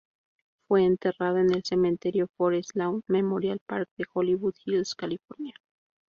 Fue enterrada en el Cementerio Forest Lawn Memorial Park de Hollywood Hills, California.